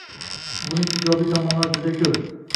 Buning ijobiy tomonlari juda ko‘p.